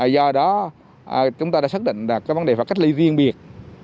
do đó chúng ta đã xác định vấn đề phải cách ly riêng biệt